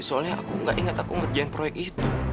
soalnya aku gak ingat aku ngerjain proyek itu